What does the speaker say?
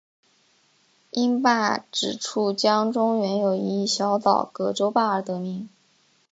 因坝址处江中原有一小岛葛洲坝而得名。